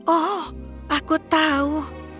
oh aku tahu